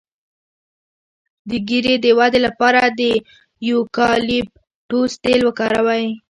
د ږیرې د ودې لپاره د یوکالیپټوس تېل وکاروئ